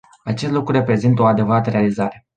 Acest lucru reprezintă o adevărată realizare.